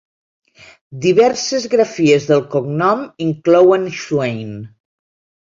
Diverses grafies del cognom inclouen Swain.